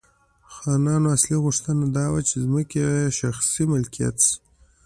خانانو اصلي غوښتنه دا وه چې ځمکې یې شخصي ملکیت شي.